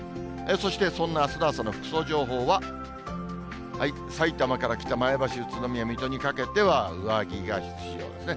そしてそんなあすの朝の服装情報は、埼玉から北、前橋、宇都宮、水戸にかけては上着が必要ですね。